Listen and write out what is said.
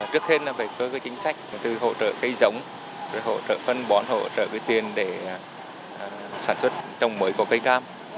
trước hết là về cơ cơ chính sách từ hỗ trợ cây giống hỗ trợ phân bón hỗ trợ tiền để sản xuất trồng mới của cây cam